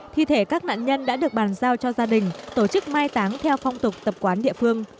thi thể các nạn nhân đã được bàn giao cho gia đình tổ chức mai táng theo phong tục tập quán địa phương